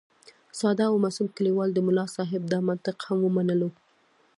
ساده او معصوم کلیوال د ملا صاحب دا منطق هم ومنلو.